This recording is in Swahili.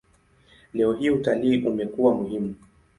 Leo hii utalii umekuwa muhimu.